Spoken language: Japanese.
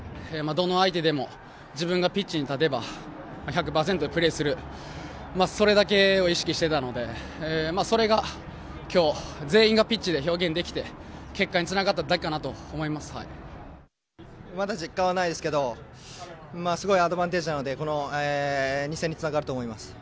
どんな相手でも自分がピッチに立てば１００％でプレーするそれだけを意識していたのでそれが今日、全員がピッチで表現できて結果につながっただけかなとまだ実感はないですけどすごいアドバンテージなのでこの２戦につながると思います。